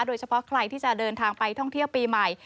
โดยเฉพาะใครที่จะเดินทางไปท่องเที่ยวปีใหม่